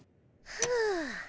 ふう。